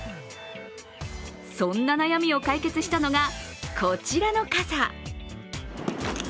そんな悩みを解決したのが、こちらの傘。